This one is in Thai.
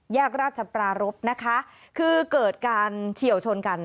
ราชปรารบนะคะคือเกิดการเฉียวชนกัน